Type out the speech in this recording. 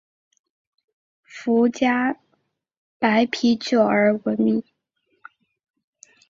福佳白啤酒而闻名。